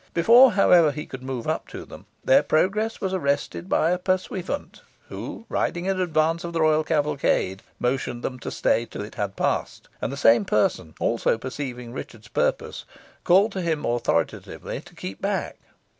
Before, however, he could come up to them, their progress was arrested by a pursuivant, who, riding in advance of the royal cavalcade, motioned them to stay till it had passed, and the same person also perceiving Richard's purpose, called to him, authoritatively, to keep back.